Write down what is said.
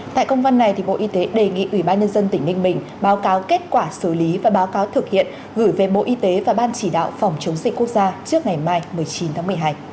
tại công văn này bộ y tế đề nghị ủy ban nhân dân tỉnh ninh bình báo cáo kết quả xử lý và báo cáo thực hiện gửi về bộ y tế và ban chỉ đạo phòng chống dịch quốc gia trước ngày mai một mươi chín tháng một mươi hai